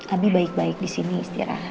abi baik baik disini istirahat